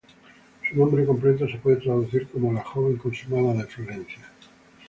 Su nombre completo se puede traducir como "la joven consumada de Florencia".